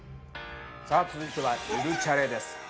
さあ続いては「ゆるチャレ」です。